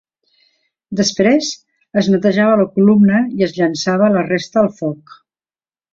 Després, es netejava la columna i es llançava la resta al foc.